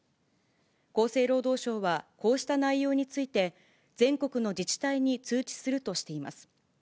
厚生労働省はこうした内容について、全国の自治体に通知するとしています。